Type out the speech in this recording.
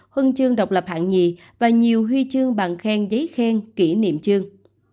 huân chương độc lập hạng nhì và nhiều huy chương bằng khen giấy khen kỷ niệm chương